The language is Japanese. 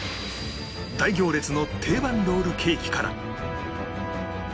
大行列の定番ロールケーキから